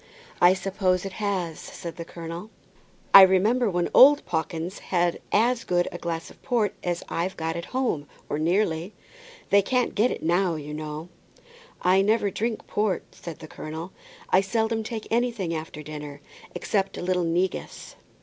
"I suppose it has," said the colonel. "I remember when old Pawkins had as good a glass of port as I've got at home, or nearly. They can't get it now, you know." "I never drink port," said the colonel. "I seldom take anything after dinner, except a little negus."